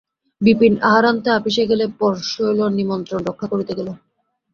বিপিন-আহারান্তে আপিসে গেলে পর শৈল নিমন্ত্রণরক্ষা করিতে গেল।